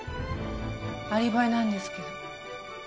アリバイなんですけど。